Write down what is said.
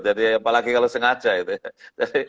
jadi apalagi kalau sengaja itu ya